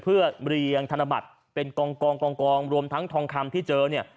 เพื่อเรียงธนบัตรเป็นกองรวมทั้งทองคำที่เจอเนี่ย